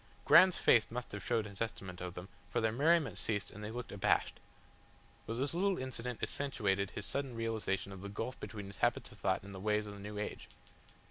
Graham's face must have showed his estimate of them, for their merriment ceased and they looked abashed. But this little incident accentuated his sudden realisation of the gulf between his habits of thought and the ways of the new age.